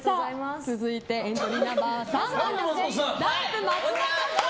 続いてエントリーナンバー３番ダンプ松本さん！